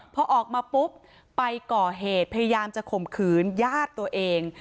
พอออกมาปุ๊บไปก่อเหตุพยายามจะข่มขืนญาติตัวเอง